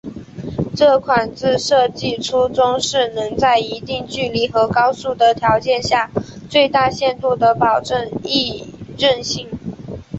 这款字设计初衷是能在一定距离和高速的条件下最大限度地保证易认性。